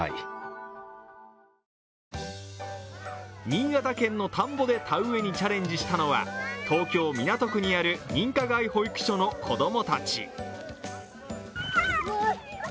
新潟県の田んぼで田植えにチャレンジしたのは東京・港区にある認可外保育所の子供たち。